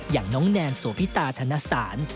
อย่างน้องแนนโสพิตาธนสาร